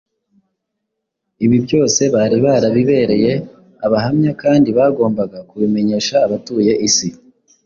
ibi byose bari barabibereye abahamya kandi bagombaga kubimenyesha abatuye isi.